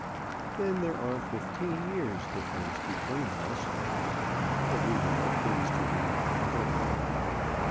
"Then there are fifteen years difference between us." The reader will please to read "twenty."